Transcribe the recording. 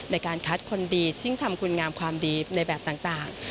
ในการคัดคนดีซึ่งทำคุณงามความดีในแบบต่าง